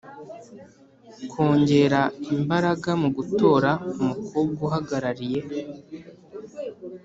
kongera imbaraga mu gutora umukobwa uhagarariye